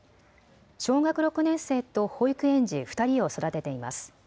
小学６年生と保育園児２人を育てています。